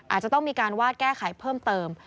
อาจจะต้องมีการวาดแก้ไขเพิ่มเติม